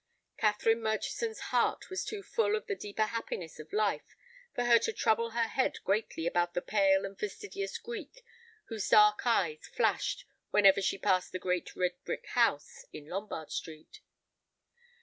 Catherine Murchison's heart was too full of the deeper happiness of life for her to trouble her head greatly about the pale and fastidious Greek whose dark eyes flashed whenever she passed the great red brick house in Lombard Street.